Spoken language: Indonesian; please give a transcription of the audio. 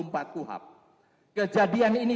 puhab kejadian ini